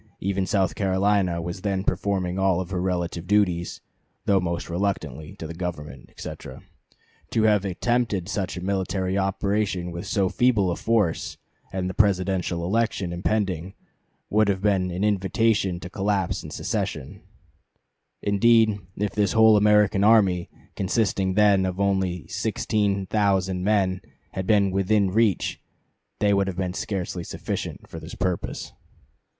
Even South Carolina was then performing all her relative duties, though most reluctantly, to the Government," etc. "To have attempted such a military operation with so feeble a force, and the Presidential election impending, would have been an invitation to collision and secession. Indeed, if the whole American army, consisting then of only sixteen thousand men, had been 'within reach' they would have been scarcely sufficient for this purpose."